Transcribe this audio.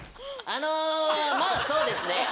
あのまぁそうですね